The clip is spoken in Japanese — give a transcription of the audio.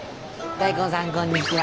大根さんこんにちは。